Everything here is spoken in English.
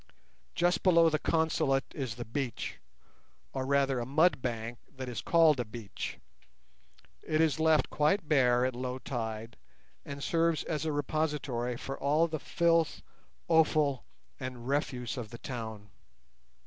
Just below the Consulate is the beach, or rather a mud bank that is called a beach. It is left quite bare at low tide, and serves as a repository for all the filth, offal, and refuse of the town.